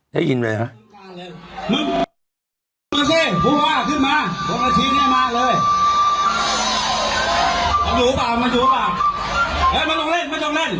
ได้ยินไหม